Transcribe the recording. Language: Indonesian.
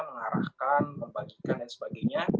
mengarahkan membagikan dan sebagainya